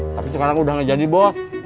tapi sekarang udah ngejadi bos